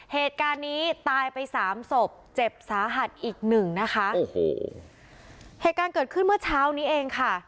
เหตุการณ์นี้ตายไปสามศพเจ็บสาหัสอีกหนึ่งนะคะโอ้โหเหตุการณ์เกิดขึ้นเมื่อเช้านี้เองค่ะ